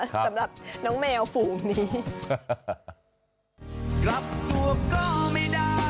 สำหรับน้องแมวฝูงนี้